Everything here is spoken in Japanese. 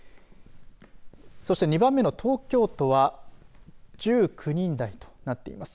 そして、２番目の東京都は１９人台となっています。